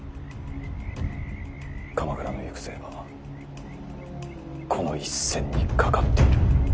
鎌倉の行く末はこの一戦にかかっている。